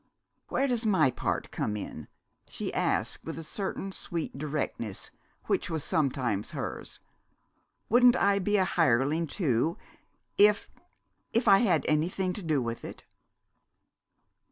"Where does my part come in?" she asked with a certain sweet directness which was sometimes hers. "Wouldn't I be a hireling too if if I had anything to do with it?"